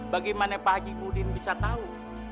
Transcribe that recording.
bagaimana pak haji muhyiddin bisa tau